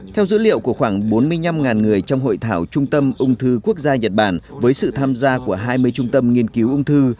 theo dữ liệu của khoảng bốn mươi năm người trong hội thảo trung tâm ung thư quốc gia nhật bản với sự tham gia của hai mươi trung tâm nghiên cứu ung thư